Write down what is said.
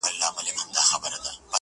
لږ دي د حُسن له غروره سر ور ټیټ که ته،